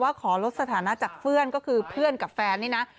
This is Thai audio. ขอลดสถานะจากเพื่อนก็คือเพื่อนกับแฟนนี่นะ